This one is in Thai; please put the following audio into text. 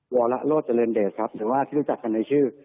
วรโรธเจริญเดชครับหรือว่าที่รู้จักกันในชื่อ